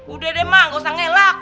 udah deh mah gak usah ngelak